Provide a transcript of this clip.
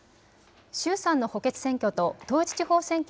衆参の補欠選挙と統一地方選挙